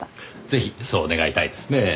ぜひそう願いたいですねぇ。